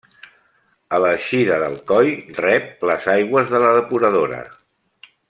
A l'eixida d'Alcoi rep les aigües de la depuradora.